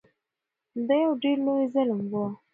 دا یو ډیر لوی ظلم و.